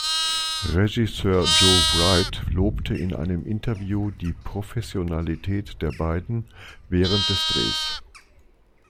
Regisseur Joe Wright lobte in einem Interview die Professionalität der beiden während des Drehs.